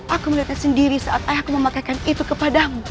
aku melihatnya sendiri saat ayahku memakaikan itu kepadamu